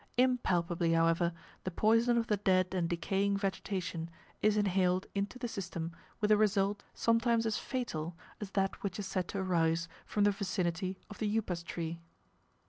Impalpably, however, the poison of the dead and decaying vegetation is inhaled into the system with a result sometimes as fatal as that which is said to arise from the vicinity of the Upas tree.